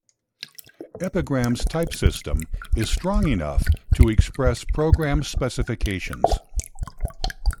Epigram's type system is strong enough to express program specifications.